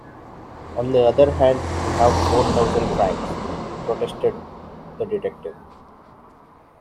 "On the other hand you have four thousand francs," protested the detective.